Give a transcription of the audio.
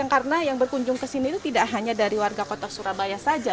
karena yang berkunjung ke sini itu tidak hanya dari warga kota surabaya saja